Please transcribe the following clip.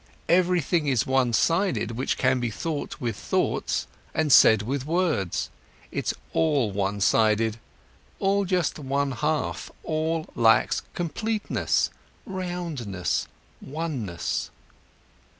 Everything is one sided which can be thought with thoughts and said with words, it's all one sided, all just one half, all lacks completeness, roundness, oneness.